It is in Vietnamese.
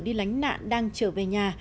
đi lánh nạn đang trở về nhà